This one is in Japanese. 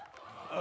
あ。